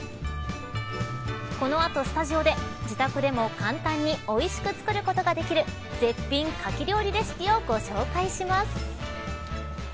この後、スタジオで自宅でも簡単においしく作ることができる絶品かき料理レシピをご紹介します。